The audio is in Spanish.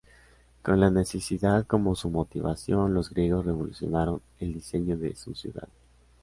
Con la necesidad como su motivación, los griegos revolucionaron el diseño de sus ciudades.